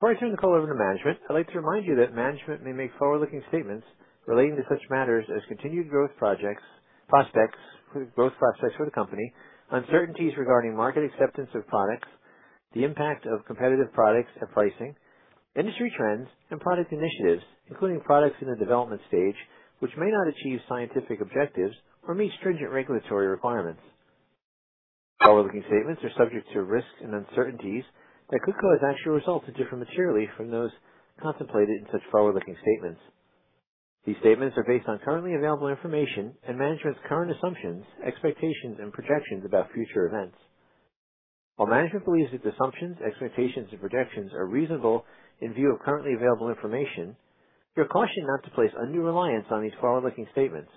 Before I turn the call over to management, I'd like to remind you that management may make forward-looking statements relating to such matters as continued growth projects, prospects, growth prospects for the company, uncertainties regarding market acceptance of products, the impact of competitive products and pricing, industry trends, and product initiatives, including products in the development stage which may not achieve scientific objectives or meet stringent regulatory requirements. Forward-looking statements are subject to risks and uncertainties that could cause actual results to differ materially from those contemplated in such forward-looking statements. These statements are based on currently available information and management's current assumptions, expectations, and projections about future events. While management believes that the assumptions, expectations, and projections are reasonable in view of currently available information, you are cautioned not to place undue reliance on these forward-looking statements.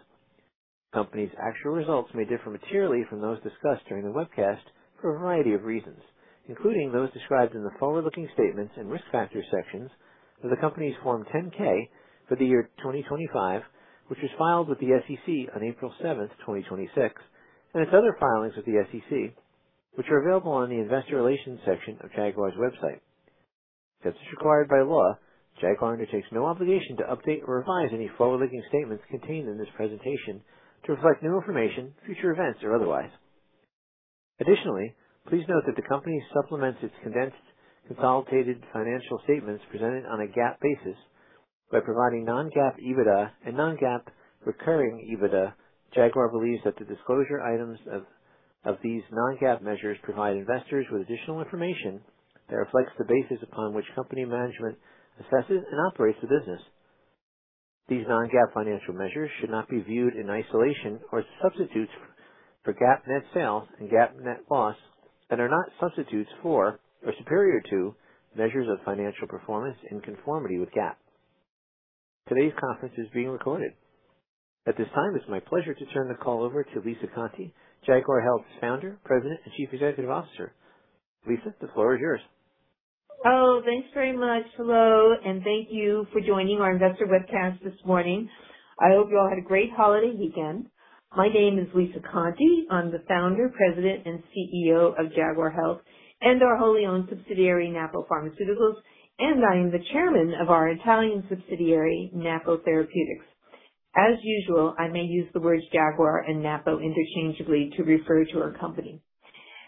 The company's actual results may differ materially from those discussed during the webcast for a variety of reasons, including those described in the Forward-Looking Statements and Risk Factors sections of the company's Form 10-K for the year 2025, which was filed with the SEC on April 7th, 2026, and its other filings with the SEC, which are available on the investor relations section of Jaguar's website. As is required by law, Jaguar undertakes no obligation to update or revise any forward-looking statements contained in this presentation to reflect new information, future events, or otherwise. Additionally, please note that the company supplements its condensed consolidated financial statements presented on a GAAP basis by providing non-GAAP EBITDA and non-GAAP recurring EBITDA. Jaguar believes that the disclosure items of these non-GAAP measures provide investors with additional information that reflects the basis upon which company management assesses and operates the business. These non-GAAP financial measures should not be viewed in isolation or as substitutes for GAAP net sales and GAAP net loss and are not substitutes for or superior to measures of financial performance in conformity with GAAP. Today's conference is being recorded. At this time, it's my pleasure to turn the call over to Lisa Conte, Jaguar Health's Founder, President, and Chief Executive Officer. Lisa, the floor is yours. Oh, thanks very much. Hello, and thank you for joining our investor webcast this morning. I hope you all had a great holiday weekend. My name is Lisa Conte. I'm the Founder, President, and CEO of Jaguar Health and our wholly-owned subsidiary, Napo Pharmaceuticals, and I am the Chairman of our Italian subsidiary, Napo Therapeutics. As usual, I may use the words Jaguar and Napo interchangeably to refer to our company.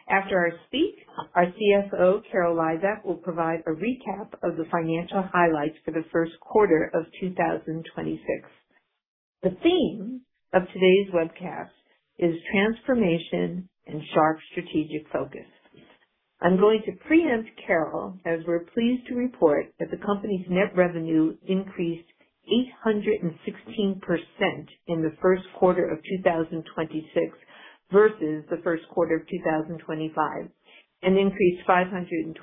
After I speak, our CFO, Carol Lizak, will provide a recap of the financial highlights for the first quarter of 2026. The theme of today's webcast is transformation and sharp strategic focus. I'm going to preempt Carol, as we're pleased to report that the company's net revenue increased 816% in the first quarter of 2026 versus the first quarter of 2025, and increased 527%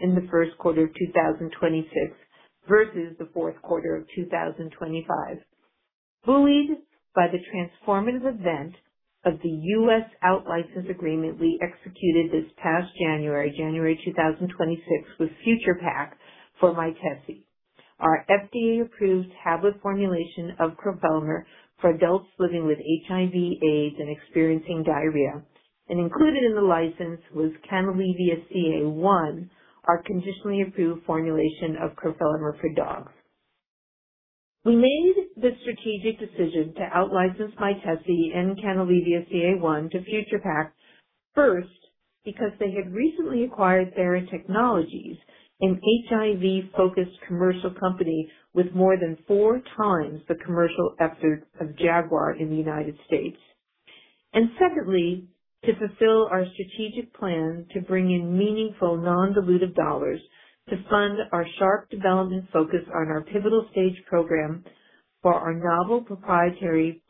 in the first quarter of 2026 versus the fourth quarter of 2025. Buoyed by the transformative event of the U.S. out-license agreement we executed this past January 2026, with Future Pak for Mytesi, our FDA-approved tablet formulation of crofelemer for adults living with HIV/AIDS and experiencing diarrhea. Included in the license was Canalevia-CA1, our conditionally approved formulation of crofelemer for dogs. We made the strategic decision to out-license Mytesi and Canalevia-CA1 to Future Pak first because they had recently acquired Theratechnologies, an HIV-focused commercial company with more than four times the commercial effort of Jaguar in the United States. Secondly, to fulfill our strategic plan to bring in meaningful non-dilutive dollars to fund our sharp development focus on our pivotal stage program for our novel proprietary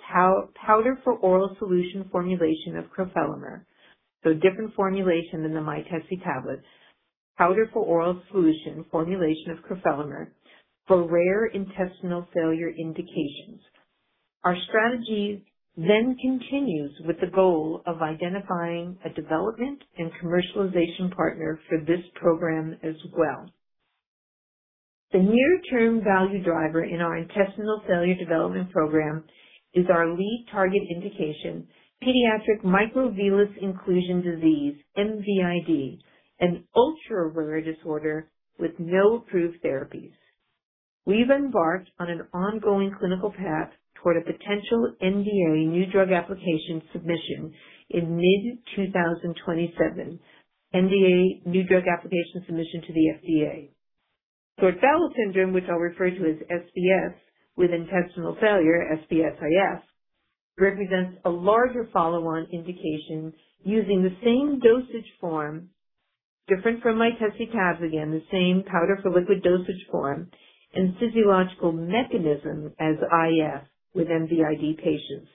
powder for oral solution formulation of crofelemer. A different formulation than the Mytesi tablets. Powder for oral solution formulation of crofelemer for rare intestinal failure indications. Our strategy continues with the goal of identifying a development and commercialization partner for this program as well. The near-term value driver in our intestinal failure development program is our lead target indication, pediatric microvillus inclusion disease, MVID, an ultra-rare disorder with no approved therapies. We've embarked on an ongoing clinical path toward a potential NDA new drug application submission in mid-2027. NDA new drug application submission to the FDA. Short bowel syndrome, which I'll refer to as SBS, with intestinal failure, SBS-IF, represents a larger follow-on indication using the same dosage form different from Mytesi tabs. Again, the same powder for liquid dosage form and physiological mechanism as IF with MVID patients.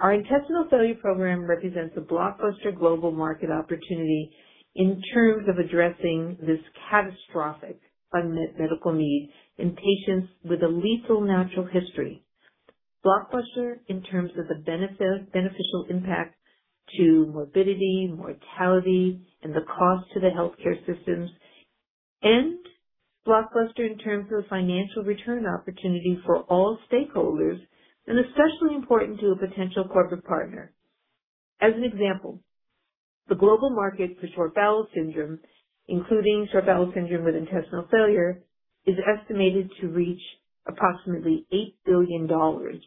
Our intestinal failure program represents a blockbuster global market opportunity in terms of addressing this catastrophic unmet medical need in patients with a lethal natural history. Blockbuster in terms of the beneficial impact to morbidity, mortality, and the cost to the healthcare systems, and blockbuster in terms of financial return opportunity for all stakeholders and especially important to a potential corporate partner. As an example, the global market for short bowel syndrome, including short bowel syndrome with intestinal failure, is estimated to reach approximately $8 billion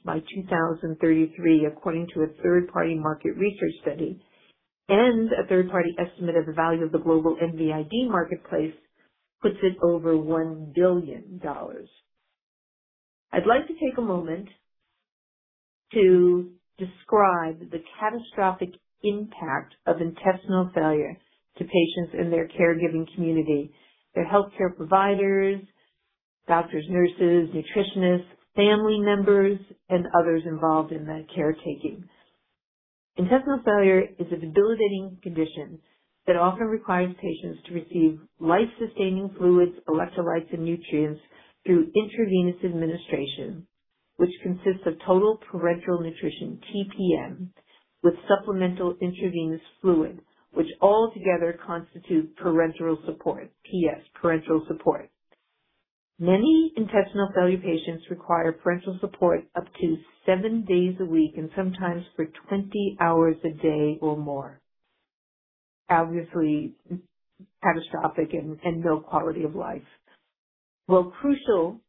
by 2033, according to a third-party market research study, and a third-party estimate of the value of the global MVID marketplace puts it over $1 billion. I'd like to take a moment to describe the catastrophic impact of intestinal failure to patients and their caregiving community, their healthcare providers, doctors, nurses, nutritionists, family members, and others involved in that caretaking. Intestinal failure is a debilitating condition that often requires patients to receive life-sustaining fluids, electrolytes, and nutrients through intravenous administration, which consists of total parenteral nutrition, TPN, with supplemental intravenous fluids, which altogether constitute parenteral support, PS. Many intestinal failure patients require parenteral support up to seven days a week, and sometimes for 20 hours a day or more. Obviously, catastrophic and no quality of life. While crucial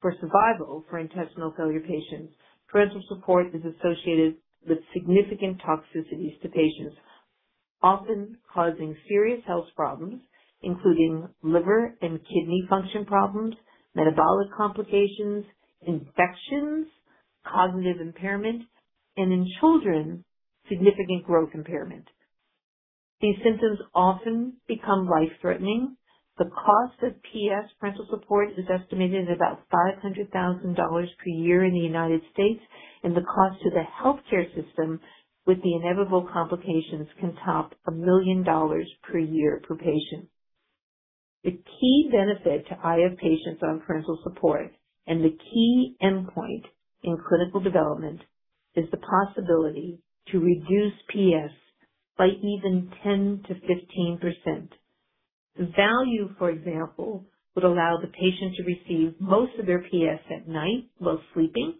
for survival for intestinal failure patients, parenteral support is associated with significant toxicities to patients, often causing serious health problems, including liver and kidney function problems, metabolic complications, infections, cognitive impairment, and in children, significant growth impairment. These symptoms often become life-threatening. The cost of PS, parenteral support, is estimated at about $500,000 per year in the United States, and the cost to the healthcare system with the inevitable complications can top $1 million per year per patient. The key benefit to IF patients on parenteral support and the key endpoint in clinical development is the possibility to reduce PS by even 10% to 15%. The value, for example, would allow the patient to receive most of their PS at night while sleeping,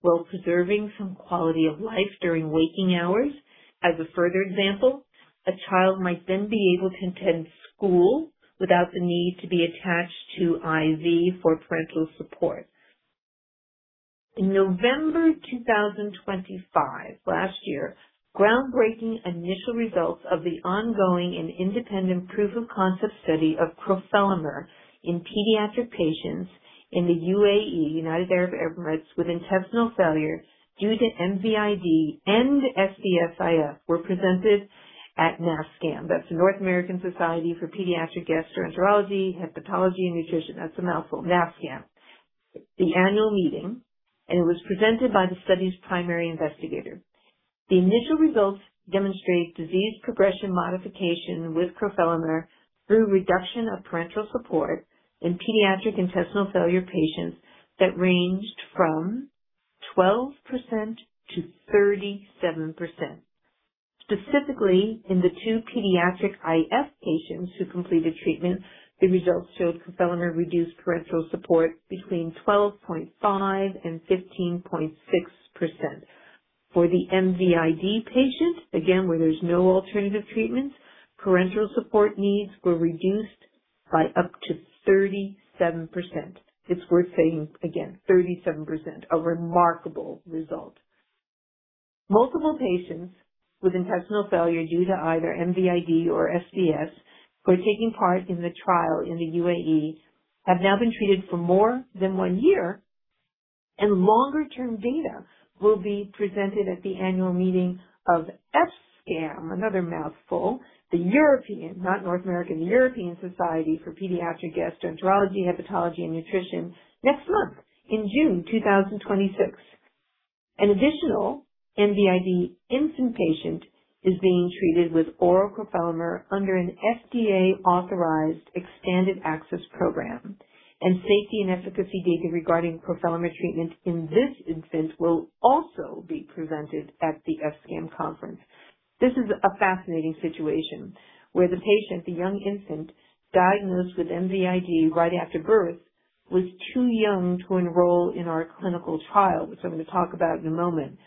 while preserving some quality of life during waking hours. As a further example, a child might be able to attend school without the need to be attached to IV for parenteral support. In November 2025, last year, groundbreaking initial results of the ongoing and independent proof-of-concept study of crofelemer in pediatric patients in the U.A.E., United Arab Emirates, with intestinal failure due to MVID and SBS-IF were presented at NASPGHAN. That's the North American Society for Pediatric Gastroenterology, Hepatology and Nutrition. That's a mouthful, NASPGHAN. The annual meeting, it was presented by the study's primary investigator. The initial results demonstrate disease progression modification with crofelemer through reduction of parenteral support in pediatric intestinal failure patients that ranged from 12%-37%. Specifically, in the two pediatric IF patients who completed treatment, the results showed crofelemer reduced parenteral support between 12.5% and 15.6%. For the MVID patient, again, where there's no alternative treatment, parenteral support needs were reduced by up to 37%. It's worth saying again, 37%, a remarkable result. Multiple patients with intestinal failure due to either MVID or SBS who are taking part in the trial in the U.A.E. have now been treated for more than one year. Longer-term data will be presented at the annual meeting of ESPGHAN, another mouthful, the European, not North American, the European Society for Paediatric Gastroenterology, Hepatology and Nutrition, next month in June 2026. An additional MVID infant patient is being treated with oral crofelemer under an FDA-authorized expanded access program, and safety and efficacy data regarding crofelemer treatment in this infant will also be presented at the ESPGHAN conference. This is a fascinating situation where the patient, the young infant, diagnosed with MVID right after birth, was too young to enroll in our clinical trial, which I'm going to talk about in a moment.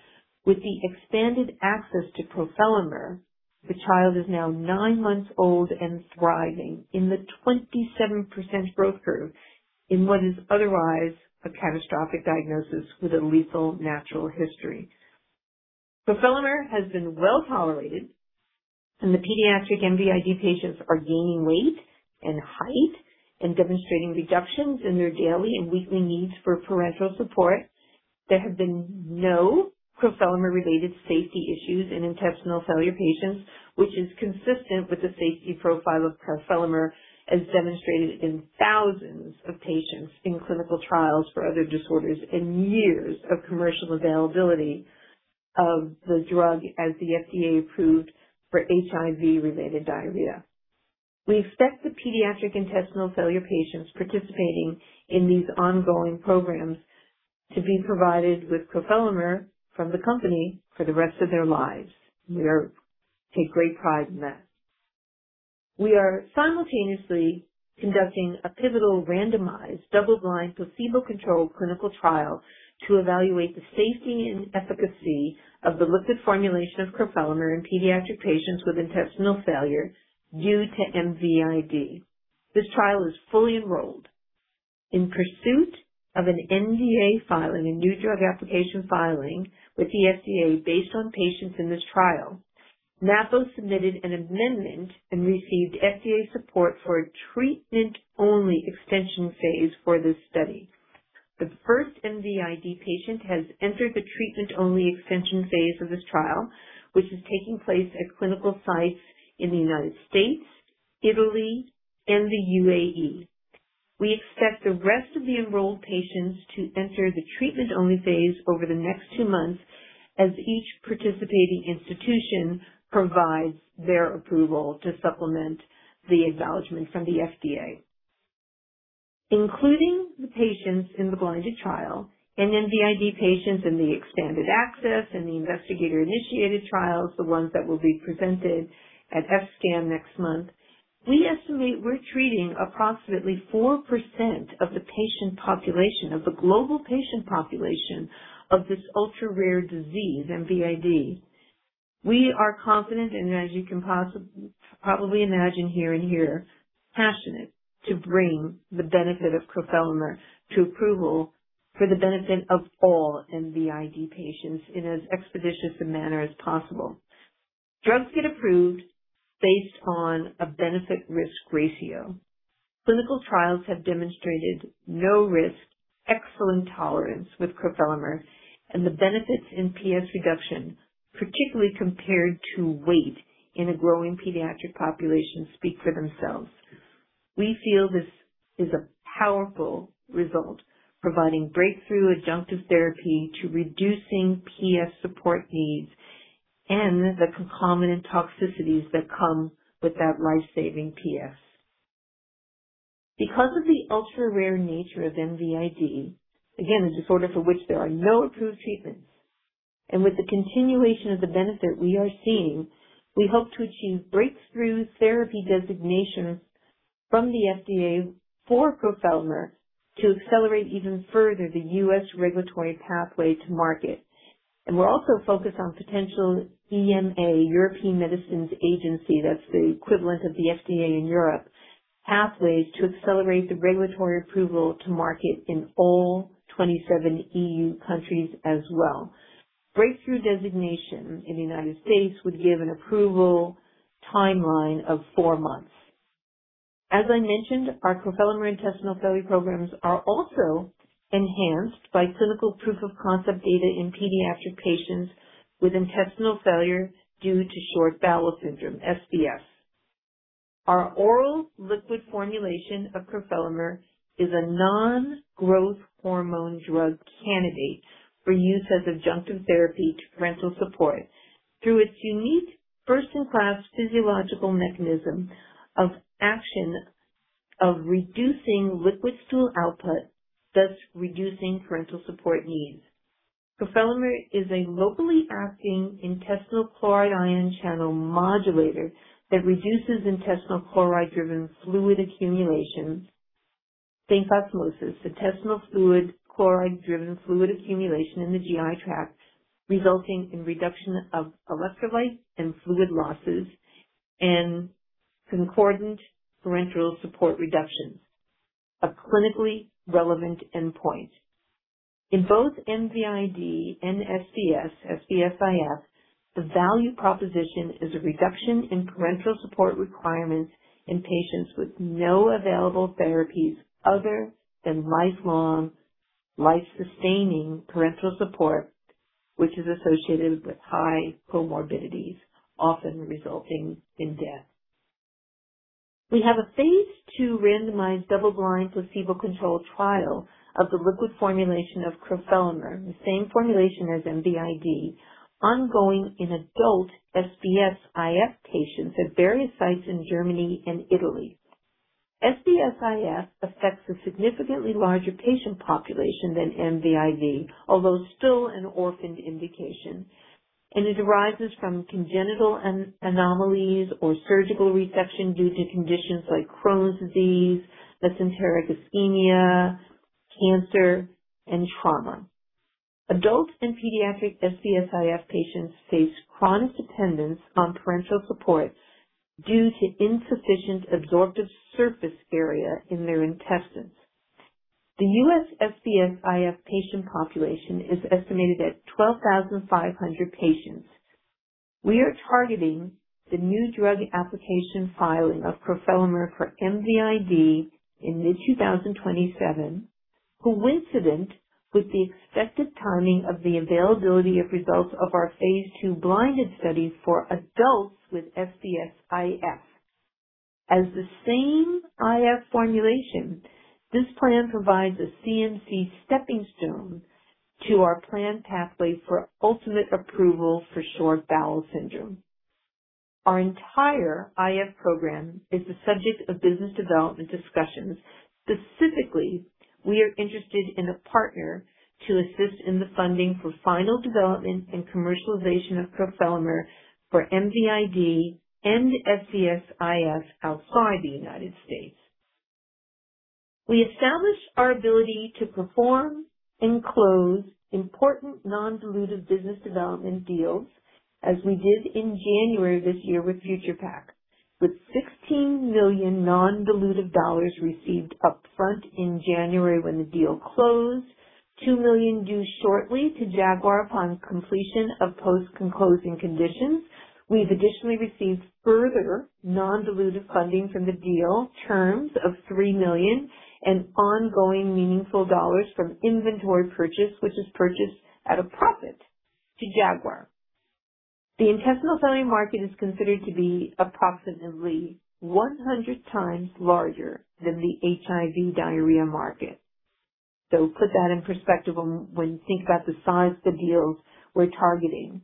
With the expanded access to crofelemer, the child is now nine-months-old and thriving in the 27% growth curve in what is otherwise a catastrophic diagnosis with a lethal natural history. Crofelemer has been well-tolerated, and the pediatric MVID patients are gaining weight and height and demonstrating reductions in their daily and weekly needs for parenteral support. There have been no crofelemer-related safety issues in intestinal failure patients, which is consistent with the safety profile of crofelemer as demonstrated in thousands of patients in clinical trials for other disorders and years of commercial availability of the drug as the FDA approved for HIV-related diarrhea. We expect the pediatric intestinal failure patients participating in these ongoing programs to be provided with crofelemer from the company for the rest of their lives. We take great pride in that. We are simultaneously conducting a pivotal randomized, double-blind, placebo-controlled clinical trial to evaluate the safety and efficacy of the liquid formulation of crofelemer in pediatric patients with intestinal failure due to MVID. This trial is fully enrolled. In pursuit of an NDA filing, a new drug application filing, with the FDA based on patients in this trial, Napo submitted an amendment and received FDA support for a treatment-only extension phase for this study. The first MVID patient has entered the treatment-only extension phase of this trial, which is taking place at clinical sites in the United States, Italy, and the U.A.E. We expect the rest of the enrolled patients to enter the treatment-only phase over the next two months as each participating institution provides their approval to supplement the acknowledgement from the FDA. Including the patients in the blinded trial and MVID patients in the expanded access and the investigator-initiated trials, the ones that will be presented at ESPGHAN next month, we estimate we're treating approximately 4% of the global patient population of this ultra-rare disease, MVID. We are confident and, as you can probably imagine hearing here, passionate to bring the benefit of crofelemer to approval for the benefit of all MVID patients in as expeditious a manner as possible. Drugs get approved based on a benefit/risk ratio. Clinical trials have demonstrated no risk, excellent tolerance with crofelemer, and the benefits in PS reduction, particularly compared to weight in a growing pediatric population, speak for themselves. We feel this is a powerful result, providing breakthrough adjunctive therapy to reducing PS support needs and the concomitant toxicities that come with that life-saving PS. Because of the ultra-rare nature of MVID, again, a disorder for which there are no approved treatments, and with the continuation of the benefit we are seeing, we hope to achieve breakthrough therapy designation from the FDA for crofelemer to accelerate even further the U.S. regulatory pathway to market and we're also focused on potential EMA, European Medicines Agency, that's the equivalent of the FDA in Europe, pathways to accelerate the regulatory approval to market in all 27 EU countries as well. Breakthrough designation in the United States would give an approval timeline of four months. As I mentioned, our crofelemer intestinal failure programs are also enhanced by clinical proof-of-concept data in pediatric patients with intestinal failure due to short bowel syndrome, SBS. Our oral liquid formulation of crofelemer is a non-growth hormone drug candidate for use as adjunctive therapy to parenteral support through its unique first-in-class physiological mechanism of action of reducing liquid stool output, thus reducing parenteral support needs. Crofelemer is a locally acting intestinal chloride ion channel modulator that reduces intestinal chloride-driven fluid accumulation. Think osmosis. Intestinal fluid, chloride-driven fluid accumulation in the GI tract, resulting in reduction of electrolyte and fluid losses and concordant parenteral support reductions. A clinically relevant endpoint. In both MVID and SBS-IF, the value proposition is a reduction in parenteral support requirements in patients with no available therapies other than lifelong, life-sustaining parenteral support, which is associated with high comorbidities, often resulting in death. We have a phase II randomized, double-blind, placebo-controlled trial of the liquid formulation of crofelemer, the same formulation as MVID, ongoing in adult SBS-IF patients at various sites in Germany and Italy. SBS-IF affects a significantly larger patient population than MVID, although still an orphaned indication, and it arises from congenital anomalies or surgical resection due to conditions like Crohn's disease, mesenteric ischemia, cancer, and trauma. Adult and pediatric SBS-IF patients face chronic dependence on parenteral support due to insufficient absorptive surface area in their intestines. The U.S. SBS-IF patient population is estimated at 12,500 patients. We are targeting the new drug application filing of crofelemer for MVID in mid-2027, coincident with the expected timing of the availability of results of our phase II blinded studies for adults with SBS-IF. As the same IF formulation, this plan provides a CMC stepping stone to our planned pathway for ultimate approval for short bowel syndrome. Our entire IF program is the subject of business development discussions. Specifically, we are interested in a partner to assist in the funding for final development and commercialization of crofelemer for MVID and SBS-IF outside the United States. We established our ability to perform and close important non-dilutive business development deals as we did in January this year with Future Pak, with $16 million non-dilutive dollars received upfront in January when the deal closed, $2 million due shortly to Jaguar upon completion of post-concluding conditions. We've additionally received further non-dilutive funding from the deal terms of $3 million and ongoing meaningful dollars from inventory purchase, which is purchased at a profit to Jaguar. The intestinal failure market is considered to be approximately 100 times larger than the HIV diarrhea market so put that in perspective when you think about the size of the deals we're targeting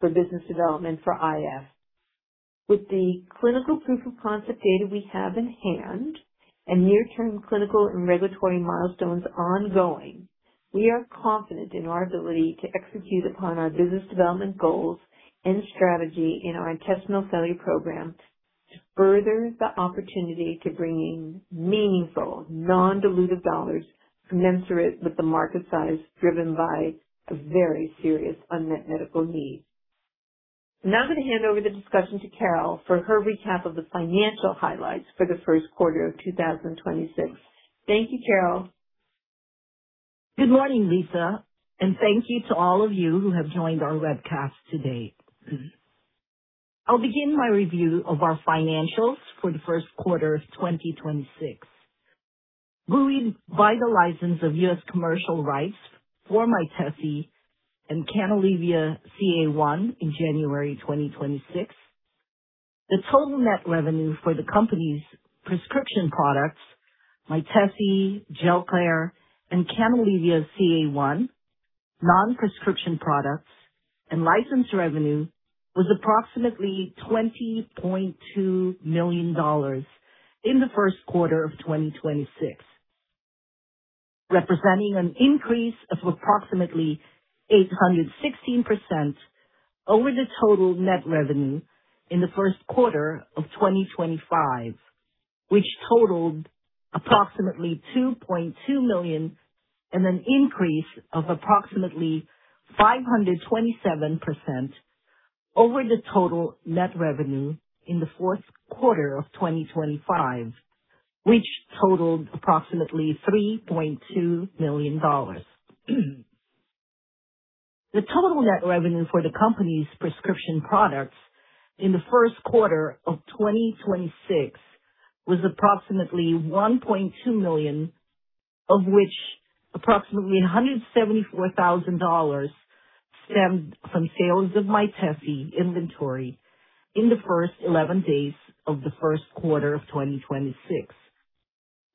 for business development for IF. With the clinical proof of concept data we have in hand and near-term clinical and regulatory milestones ongoing, we are confident in our ability to execute upon our business development goals and strategy in our intestinal failure program to further the opportunity to bringing meaningful non-dilutive dollars commensurate with the market size, driven by a very serious unmet medical need. I'm going to hand over the discussion to Carol for her recap of the financial highlights for the first quarter of 2026. Thank you, Carol. Good morning, Lisa, and thank you to all of you who have joined our webcast today. I'll begin my review of our financials for the first quarter of 2026. Buoyed by the license of U.S. commercial rights for Mytesi and Canalevia-CA1 in January 2026. The total net revenue for the company's prescription products, Mytesi, Gelclair, and Canalevia-CA1, non-prescription products, and license revenue was approximately $22 million in the first quarter of 2026, representing an increase of approximately 816% over the total net revenue in the first quarter of 2025, which totaled approximately $2.2 million, and an increase of approximately 527% over the total net revenue in the fourth quarter of 2025, which totaled approximately $3.2 million. The total net revenue for the company's prescription products in the first quarter of 2026 was approximately $1.2 million, of which approximately $174,000 stemmed from sales of Mytesi inventory in the first 11 days of the first quarter of 2026.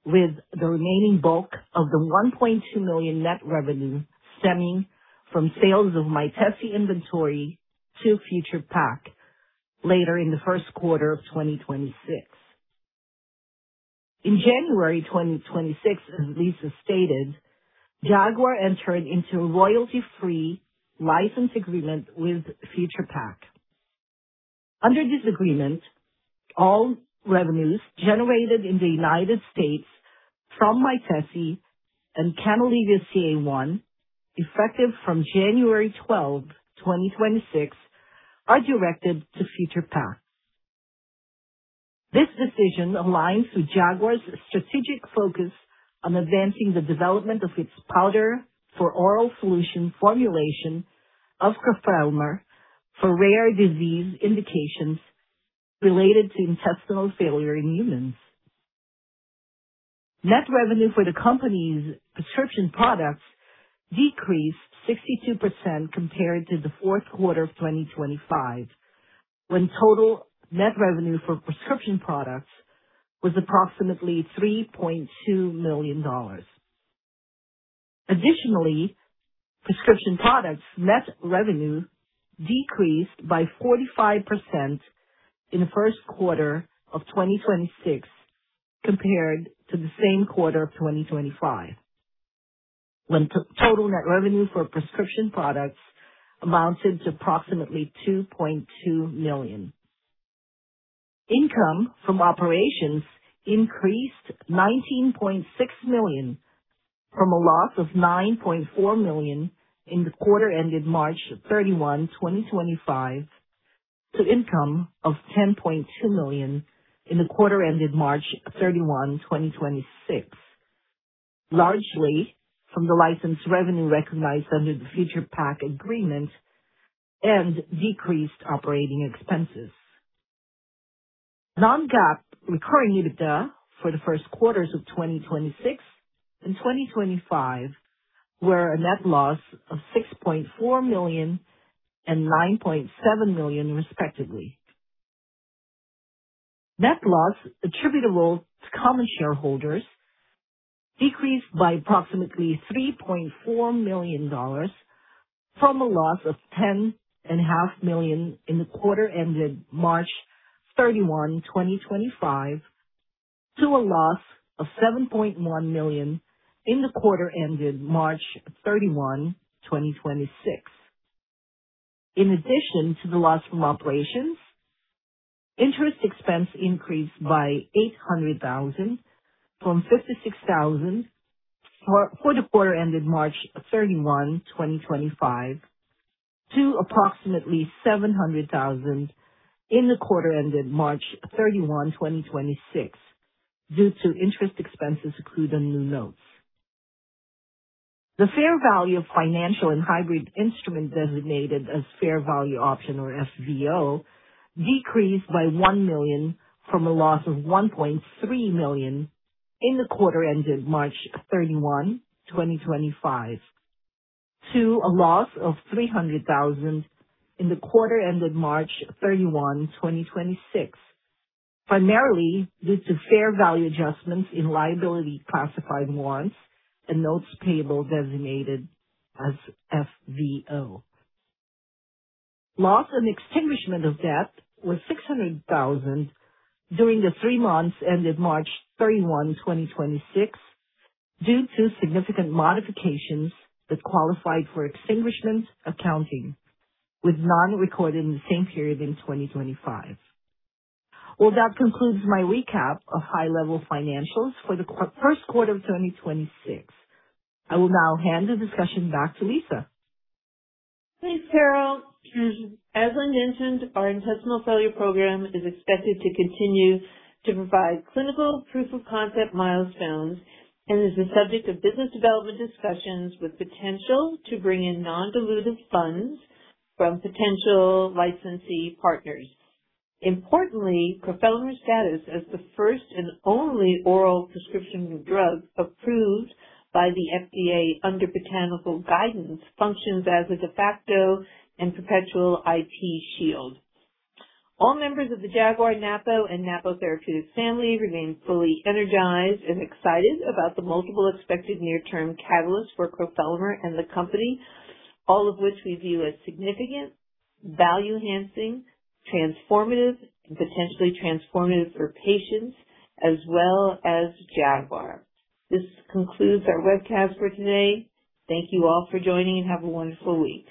With the remaining bulk of the $1.2 million net revenue stemming from sales of Mytesi inventory to Future Pak later in the first quarter of 2026. In January 2026, as Lisa stated, Jaguar entered into a royalty-free license agreement with Future Pak. Under this agreement, all revenues generated in the United States from Mytesi and Canalevia-CA1, effective from January 12th, 2026, are directed to Future Pak. This decision aligns with Jaguar's strategic focus on advancing the development of its powder for oral solution formulation of crofelemer for rare disease indications related to intestinal failure in humans. Net revenue for the company's prescription products decreased 62% compared to the fourth quarter of 2025, when total net revenue for prescription products was approximately $3.2 million. Additionally, prescription products net revenue decreased by 45% in the first quarter of 2026 compared to the same quarter of 2025, when total net revenue for prescription products amounted to approximately $2.2 million. Income from operations increased $19.6 million from a loss of $9.4 million in the quarter ended March 31, 2025, to income of $10.2 million in the quarter ended March 31, 2026, largely from the license revenue recognized under the Future Pak agreement and decreased operating expenses. Non-GAAP recurring EBITDA for the first quarters of 2026 and 2025 were a net loss of $6.4 million and $9.7 million, respectively. Net loss attributable to common shareholders decreased by approximately $3.4 million, from a loss of $10.5 million in the quarter ended March 31, 2025, to a loss of $7.1 million in the quarter ended March 31, 2026. In addition to the loss from operations, interest expense increased by $800,000 from $56,000 for the quarter ended March 31, 2025, to approximately $700,000 in the quarter ended March 31, 2026, due to interest expenses accrued on new notes. The fair value of financial and hybrid instrument designated as fair value option, or FVO, decreased by $1 million from a loss of $1.3 million in the quarter ended March 31, 2025, to a loss of $300,000 in the quarter ended March 31, 2026, primarily due to fair value adjustments in liability classified loans and notes payable designated as FVO. Loss on extinguishment of debt was $600,000 during the three months ended March 31, 2026, due to significant modifications that qualified for extinguishment accounting, with none recorded in the same period in 2025. Well that concludes my recap of high-level financials for the first quarter of 2026. I will now hand the discussion back to Lisa Thanks, Carol. As I mentioned, our intestinal failure program is expected to continue to provide clinical proof of concept milestones and is the subject of business development discussions with potential to bring in non-dilutive funds from potential licensee partners. Importantly, crofelemer's status as the first and only oral prescription drug approved by the FDA under botanical guidance functions as a de facto and perpetual IP shield. All members of the Jaguar, Napo, and Napo Therapeutics family remain fully energized and excited about the multiple expected near-term catalysts for crofelemer and the company, all of which we view as significant, value-enhancing, transformative, and potentially transformative for patients as well as Jaguar. This concludes our webcast for today. Thank you all for joining, and have a wonderful week.